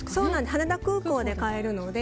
羽田空港で買えるので。